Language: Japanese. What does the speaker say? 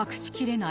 ない？